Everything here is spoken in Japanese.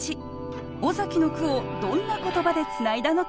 尾崎の句をどんな言葉でつないだのか。